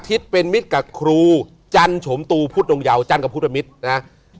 อธิษฐ์เป็นมิตรกับครูจันทร์โฉมตูพุทธดงเยาว์จันทร์กับพุทธเป็นมิตรนะ